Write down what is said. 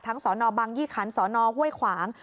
สนบังยี่ขันสนห้วยขวาง